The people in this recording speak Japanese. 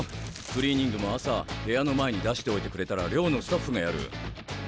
クリーニングも朝部屋の前に出しておいてくれたら寮のスタッフがやる。